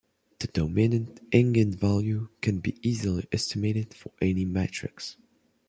The dominant eigenvalue can be easily estimated for any matrix.